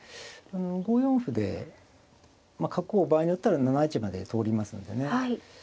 ５四歩でまあ角を場合によったら７一まで通りますのでね。